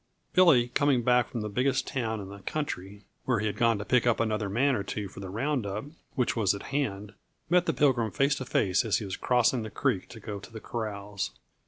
"_ Billy, coming back from the biggest town in the country, where he had gone to pick up another man or two for the round up which was at hand, met the Pilgrim face to face as he was crossing the creek to go to the corrals.